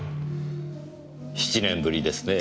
７年ぶりですね。